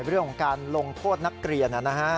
เรื่องของการลงโทษนักเรียน